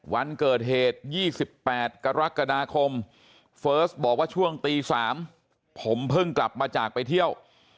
วันเกิดเหตุ๒๘กรกฎาคมเฟิร์สบอกว่าช่วงตี๓ผมเพิ่งกลับมาจากไปเที่ยว